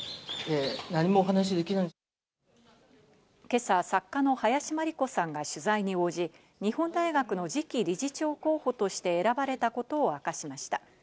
今朝、作家の林真理子さんが取材に応じ、日本大学の次期理事長候補として選ばれたことを明かしました。